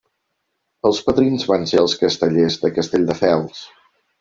Els padrins van ser els Castellers de Castelldefels.